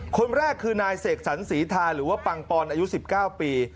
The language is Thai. คนแรกคือนายเสกสรรศรีทาหรือว่าปังปอนอายุ๑๙ปี